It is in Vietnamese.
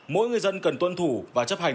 mỗi người dân cần tuân thủ và chấp hành